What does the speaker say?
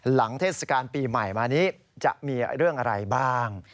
เทศกาลปีใหม่มานี้จะมีเรื่องอะไรบ้าง